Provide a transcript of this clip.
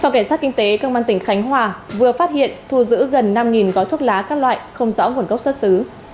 phòng cảnh sát kinh tế công an tỉnh khánh hòa vừa phát hiện thu giữ gần năm gói thuốc lá các loại không rõ nguồn gốc xuất xứ